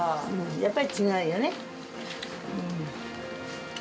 やっぱり違うよね。